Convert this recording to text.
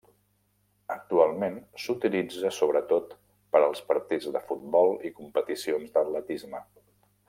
Actualment s'utilitza sobretot per als partits de futbol i competicions d'atletisme.